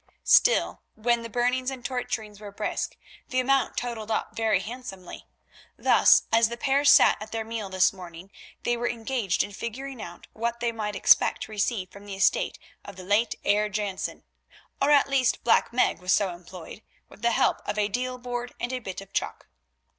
Still, when the burnings and torturings were brisk, the amount totalled up very handsomely. Thus, as the pair sat at their meal this morning, they were engaged in figuring out what they might expect to receive from the estate of the late Heer Jansen, or at least Black Meg was so employed with the help of a deal board and a bit of chalk.